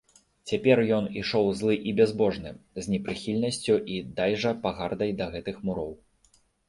Цяпер ён ішоў злы і бязбожны з непрыхільнасцю і дайжа пагардай да гэтых муроў.